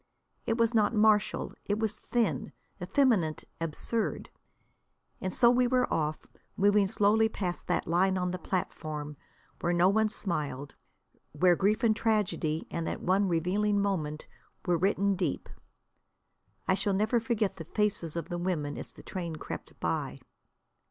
It was not martial. It was thin, effeminate, absurd. And so we were off, moving slowly past that line on the platform, where no one smiled; where grief and tragedy, in that one revealing moment, were written deep. I shall never forget the faces of the women as the train crept by.